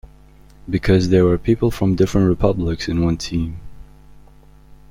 Because there were people from different republics in one team.